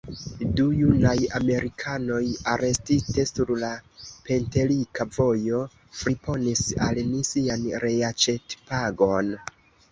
Du junaj Amerikanoj, arestite sur la Pentelika vojo, friponis al ni sian reaĉetpagon.